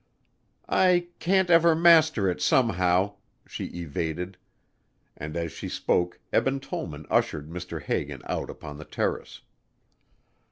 "I can't ever master it somehow," she evaded, and as she spoke Eben Tollman ushered Mr. Hagan out upon the terrace.